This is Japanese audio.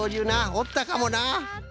おったかもな。